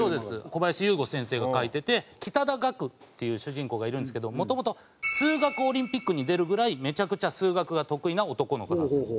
小林有吾先生が描いてて北田岳っていう主人公がいるんですけどもともと数学オリンピックに出るぐらいめちゃくちゃ数学が得意な男の子なんですよ。